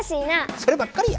そればっかりや！